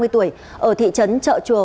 ba mươi tuổi ở thị trấn trợ chùa